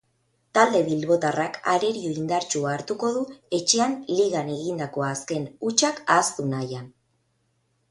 Talde bilbotarrak arerio indartsua hartuko du etxean ligan egindako azken hutsak ahaztu nahian.